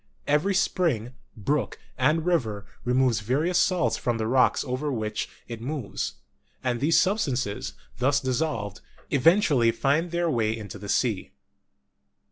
Every spring, brook, and river removes various salts from the rocks over which it moves, and these substances, thus dissolved, even tually find their way into the sea.